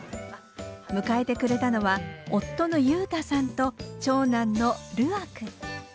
迎えてくれたのは夫の裕太さんと長男の優愛君。